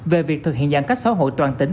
về việc thực hiện giãn cách xã hội toàn tỉnh